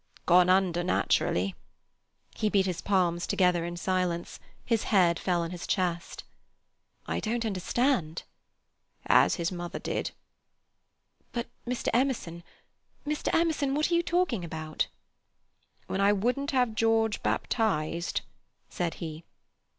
"Gone under naturally." He beat his palms together in silence; his head fell on his chest. "I don't understand." "As his mother did." "But, Mr. Emerson—Mr. Emerson—what are you talking about?" "When I wouldn't have George baptized," said he.